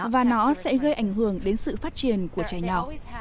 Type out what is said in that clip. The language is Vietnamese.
và nó sẽ gây ảnh hưởng đến sự phát triển của trẻ nhỏ